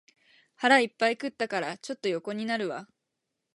腹いっぱい食ったから、ちょっと横になるわ